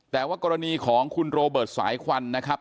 แต่ว่ากรณีของคุณโรเบิร์ตสายควันนะครับ